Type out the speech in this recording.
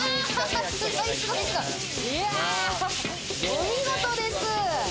お見事です。